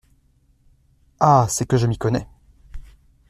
Ah ! c’est que je m’y connais !…